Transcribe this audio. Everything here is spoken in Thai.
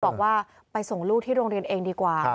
บอกว่าไปส่งลูกที่โรงเรียนเองดีกว่า